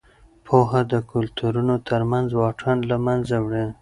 پوهه د کلتورونو ترمنځ واټن له منځه وړي.